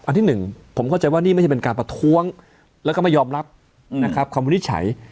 อันที่๑ผมเข้าใจว่านี่ไม่ใช่เป็นการประท้วงแล้วก็ไม่ยอมรับความวินิจฉัย